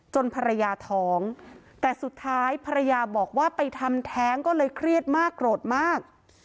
ภรรยาท้องแต่สุดท้ายภรรยาบอกว่าไปทำแท้งก็เลยเครียดมากโกรธมาก